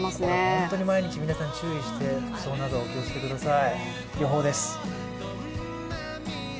本当に毎日皆さん注意して服装などお気を付けください。